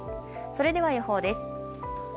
それでは予報です。